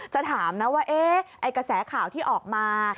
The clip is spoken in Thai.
จะถามนะว่ากระแสข่าวที่ออกมา